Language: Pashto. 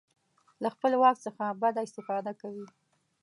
له خپل واک څخه بده استفاده کوي.